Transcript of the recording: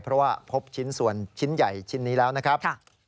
เพราะว่าพบชิ้นส่วนชิ้นใหญ่ชิ้นนี้แล้วนะครับ